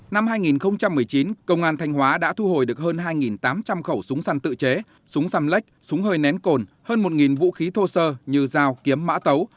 năm hai nghìn một mươi chín công an thanh hóa đã thu hồi được hơn hai tám trăm linh khẩu súng săn tự chế súng xăm lách súng hơi nén cồn hơn một vũ khí thô sơ như dao kiếm mã tấu